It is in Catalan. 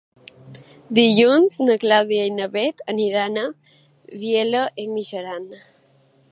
Dilluns na Clàudia i na Bet aniran a Vielha e Mijaran.